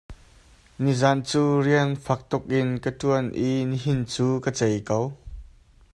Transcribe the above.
Nizan cu rian fak tukin ka ṭuan i nihin cu ka cei ko.